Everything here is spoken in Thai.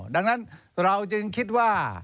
ดังนั้นเราจึงคิดว่า